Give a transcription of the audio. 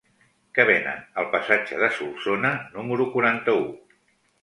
Què venen al passatge de Solsona número quaranta-u?